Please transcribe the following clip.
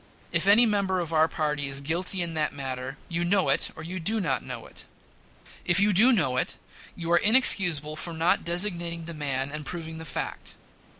If any member of our party is guilty in that matter you know it or you do not know it. If you do know it, you are inexcusable for not designating the man and proving the fact.